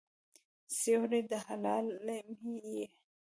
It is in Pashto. سیوری د هلال مې یې